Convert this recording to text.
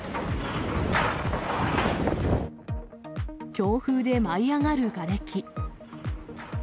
強風で舞い上がるがれき。